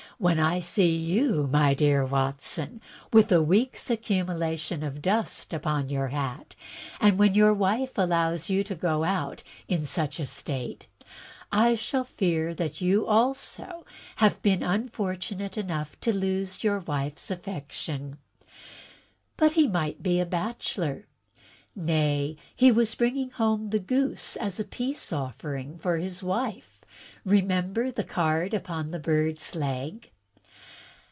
When I see you, my dear Watson, with a week's accumulation of dust upon your hat, and when your wife allows you to go out in such a state, I shall fear that you also have been unfortunate enough to lose your wife's affection.' ' "But he might be a bachelor." "Nay, he was bringing home the goose as a peace offering to his wife. Remember the card upon the bird's leg."